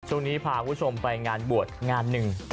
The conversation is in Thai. ช่วงนี้พาคุณผู้ชมไปงานบวชงานหนึ่ง